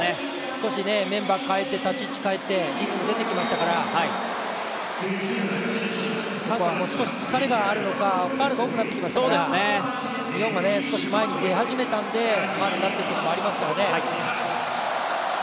少しメンバー代えて、立ち位置変えてリズム出てきましたから、韓国も少し疲れがあるのかファウルも多くなってきましたから日本が少し前に出始めたんで、ファウルになっているところもありますからね。